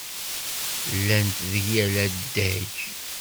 Llant deg yal adeg.